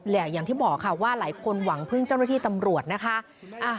และอย่างที่บอกค่ะว่าหลายคนหวังพึ่งเจ้าหน้าที่ตำรวจนะคะ